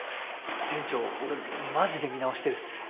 店長俺マジで見直してるっす。